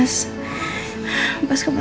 pas kembali ke rumah